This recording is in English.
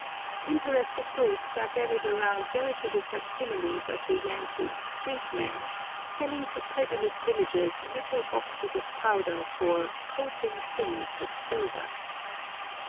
Interested groups are gathered around veritable fac similes of the Yankee "street men," selling to credulous villagers little boxes of powder for "coating things with silver."